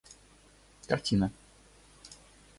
картина